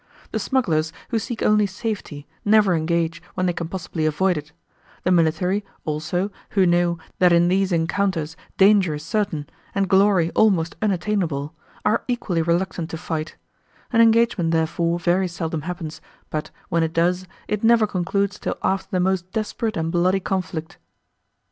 The smugglers, who seek only safety, never engage, when they can possibly avoid it; the military, also, who know, that in these encounters, danger is certain, and glory almost unattainable, are equally reluctant to fight; an engagement, therefore, very seldom happens, but, when it does, it never concludes till after the most desperate and bloody conflict.